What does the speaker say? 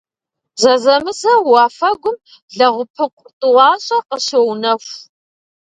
Зэзэмызэ уафэгум лэгъупыкъу тӏуащӏэ къыщоунэху.